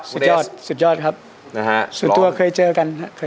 สุดยอดสุดยอดครับส่วนตัวเคยเจอกัน